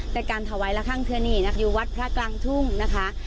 แต่การถวายละครั้งเพื่อหนีนะคะอยู่วัดพระกลางทุ่งนะคะ